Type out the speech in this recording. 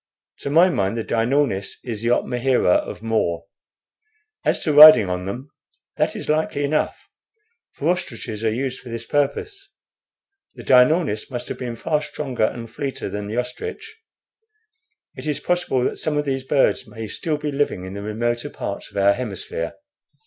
To my mind the dinornis is the opmahera of More. As to riding on them, that is likely enough; for ostriches are used for this purpose, and the dinornis must have been far stronger and fleeter than the ostrich. It is possible that some of these birds may still be living in the remoter parts of our hemisphere."